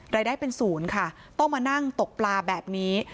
รายได้เป็นศูนย์ค่ะต้องมานั่งตกปลาแบบนี้